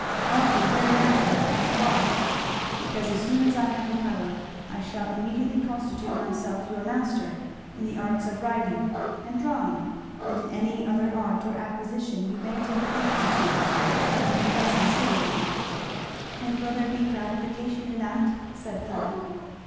Elfie very naturally asked why? "Because as soon as I have the power I shall immediately constitute myself your master in the arts of riding and drawing, and in any other art or acquisition you may take a fancy to, and give you lessons diligently." "And will there be gratification in that?" said Fleda.